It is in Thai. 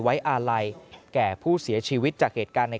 ไว้อาลัยแก่ผู้เสียชีวิตจากเหตุการณ์ใน